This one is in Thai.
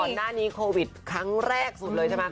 หน้าโควิดครั้งแรกสุดเลยใช่ไหม